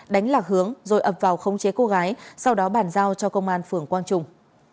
đánh lạc hướng rồi ập vào khống chế cô gái sau đó bàn giao cho công an phường quang trung